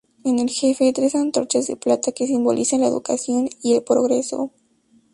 En el jefe, tres antorchas de plata que simbolizan la educación y el progreso.